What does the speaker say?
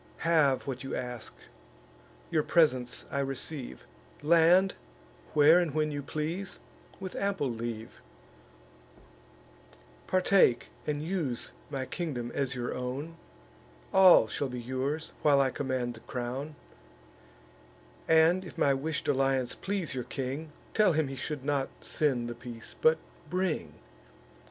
Have what you ask; your presents I receive; Land, where and when you please, with ample leave; Partake and use my kingdom as your own; All shall be yours, while I command the crown: And, if my wish'd alliance please your king, Tell him he should not send the peace, but bring.